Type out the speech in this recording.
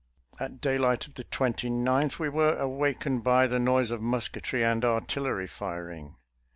At daylight of the 29th we were awakened by the noise of musketry and artillery firing.